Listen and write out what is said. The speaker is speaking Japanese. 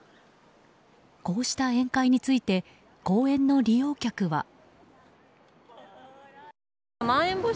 こうした宴会について公園の利用客は。